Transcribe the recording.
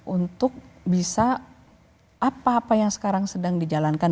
untuk bisa apa apa yang sekarang sedang dijalankan